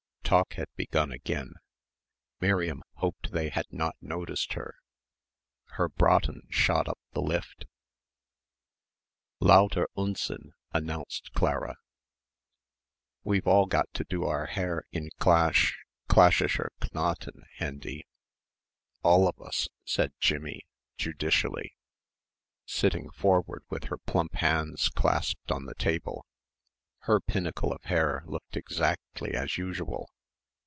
Talk had begun again. Miriam hoped they had not noticed her. Her "Braten" shot up the lift. "Lauter Unsinn!" announced Clara. "We've all got to do our hair in clash ... clashishsher Knoten, Hendy, all of us," said Jimmie judicially, sitting forward with her plump hands clasped on the table. Her pinnacle of hair looked exactly as usual.